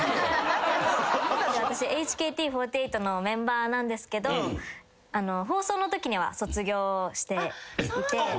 ＨＫＴ４８のメンバーなんですけど放送のときには卒業していて。